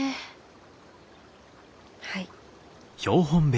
はい。